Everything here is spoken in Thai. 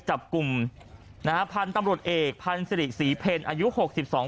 จับกลุ่มนะฮะพันธุ์ตำรวจเอกพันธ์สิริศรีเพลอายุหกสิบสอง